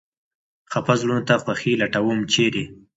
خپه زړونو ته خوښي لټوم ، چېرې ؟